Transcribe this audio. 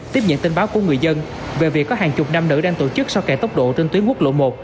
tiếp nhận tin báo của người dân về việc có hàng chục nam nữ đang tổ chức sau kẹt tốc độ trên tuyến quốc lộ một